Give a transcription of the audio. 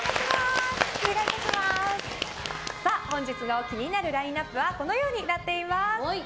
本日の気になるラインアップはこのようになっております。